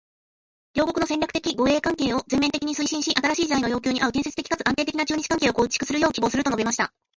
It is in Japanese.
「両国の戦略的互恵関係を全面的に推進し、新しい時代の要求に合う建設的かつ安定的な中日関係を構築するよう希望する」と述べました。